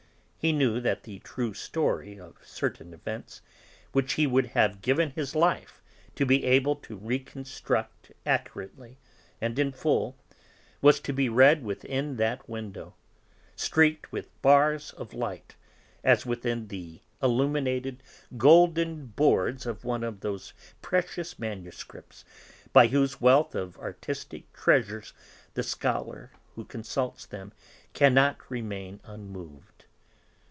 He knew that the true story of certain events, which he would have given his life to be able to reconstruct accurately and in full, was to be read within that window, streaked with bars of light, as within the illuminated, golden boards of one of those precious manuscripts, by whose wealth of artistic treasures the scholar who consults them cannot remain unmoved.